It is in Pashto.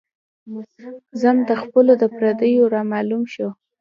ذم د خپلو د پرديو را معلوم شو